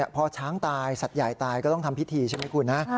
พอช้างตายสัตว์ใหญ่ตายก็ต้องทำพิธีใช่ไหมคุณนะ